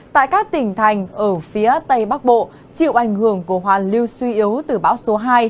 tại các tỉnh thành ở phía tây bắc bộ chịu ảnh hưởng của hoàn lưu suy yếu từ bão số hai